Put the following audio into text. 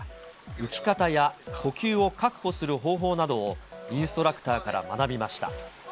浮き方や呼吸を確保する方法などをインストラクターから学びました。